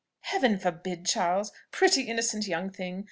"Heaven forbid, Charles! Pretty innocent young thing!